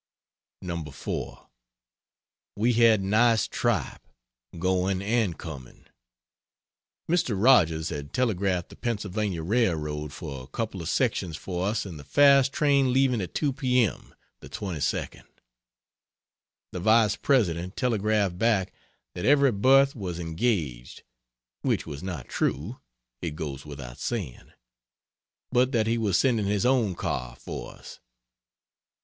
No. 4. We had nice tripe, going and coming. Mr. Rogers had telegraphed the Pennsylvania Railroad for a couple of sections for us in the fast train leaving at 2 p. m. the 22nd. The Vice President telegraphed back that every berth was engaged (which was not true it goes without saying) but that he was sending his own car for us.